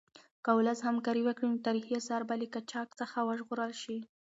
که ولس همکاري وکړي نو تاریخي اثار به له قاچاق څخه وژغورل شي.